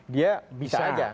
dia bisa aja